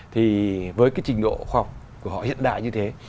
thì với cái trình độ khoa học của họ hiện đại như thế